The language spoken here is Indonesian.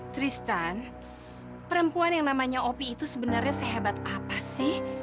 tristan perempuan yang namanya opi itu sebenarnya sehebat apa sih